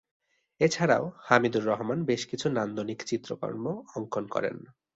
এছাড়াও হামিদুর রহমান বেশকিছু নান্দনিক চিত্রকর্ম অঙ্কন করেন।